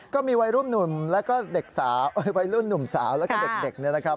ก็มีวัยรุ่นหนุ่มแล้วก็เด็กสาววัยรุ่นหนุ่มสาวแล้วก็เด็กเนี่ยนะครับ